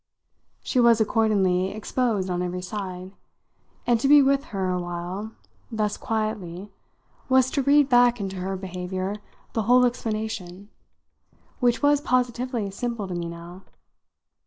She was accordingly exposed on every side, and to be with her a while thus quietly was to read back into her behaviour the whole explanation, which was positively simple to me now.